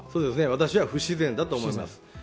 私は不自然だと思います。